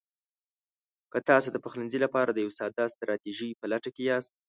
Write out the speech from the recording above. که تاسو د پخلنځي لپاره د یوې ساده ستراتیژۍ په لټه کې یاست: